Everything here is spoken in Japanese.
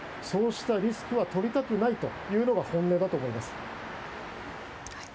そうしたリスクは取りたくないというのが本音だと思います。